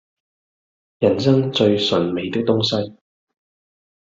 人生最醇美的東西